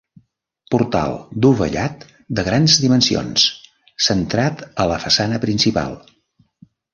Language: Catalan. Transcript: Portal dovellat de grans dimensions centrat a la façana principal.